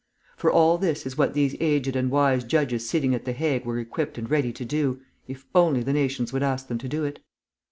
For all this is what these aged and wise judges sitting at the Hague were equipped and ready to do, if only the nations would ask them to do it.